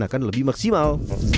akan lebih maksimal